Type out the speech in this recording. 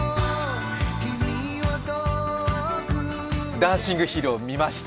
「ダンシング・ヒーロー」見ました。